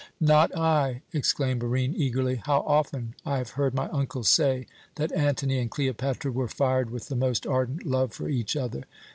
"Not I!" exclaimed Barine eagerly. "How often I have heard my uncle say that Antony and Cleopatra were fired with the most ardent love for each other!